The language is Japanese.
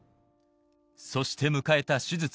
そして迎えた手術